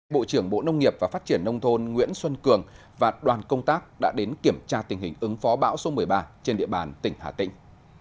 bộ trưởng bộ nông nghiệp và phát triển nông thôn nguyễn xuân cường và đoàn công tác đã đến kiểm tra tình hình ứng phó bão số một mươi ba trên địa bàn tỉnh hà tĩnh